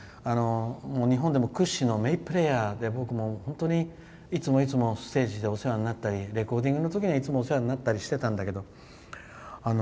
日本でも屈指の名プレーヤーで僕も、いつもいつもステージでお世話になったりレコーディングのときに、いつもお世話になったりしてたんだけど。